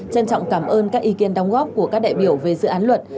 trân trọng cảm ơn các ý kiến đóng góp của các đại biểu về dự án luật